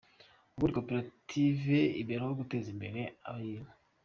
Ubundi koperative ibereho guteza imbere abayirimo.